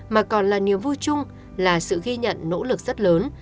mà còn là niềm vui chung là sự ghi nhận nỗ lực rất lớn